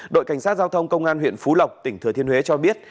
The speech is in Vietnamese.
đội cảnh sát giao thông công an huyện phú lộc tỉnh thừa thiên huế cho biết